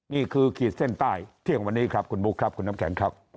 ขีดเส้นใต้เที่ยงวันนี้ครับคุณบุ๊คครับคุณน้ำแข็งครับ